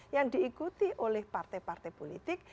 yang diikuti oleh partai partai politik